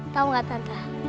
tau gak tante